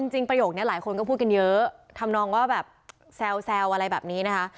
ประโยคนี้หลายคนก็พูดกันเยอะทำนองว่าแบบแซวอะไรแบบนี้นะคะ